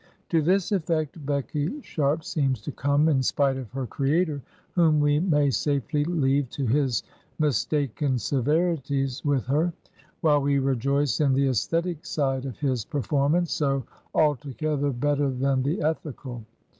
To this efiFect Becky Sharp seems to come in spite of her creator, whom we may safely leave to his mistaken severities with her, while we rejoice in the aesthetic side of his performance, so altogether better than the ethicsJ.